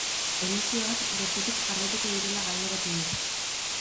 Emisioak gertutik jarraituko direla gaineratu du.